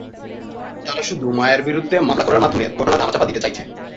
তারা শুধু মায়ার বিরুদ্ধে মামলা করার মাধ্যমে ঘটনা ধামাচাপা দিতে চাইছে।